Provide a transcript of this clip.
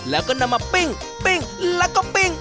และก็นำมาปิ้งปิ้ง